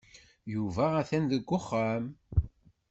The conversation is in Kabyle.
Yuba atan deg uxxam.